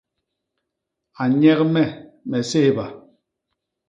A nnyek me, me séhba.